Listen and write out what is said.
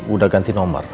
udah ganti nomor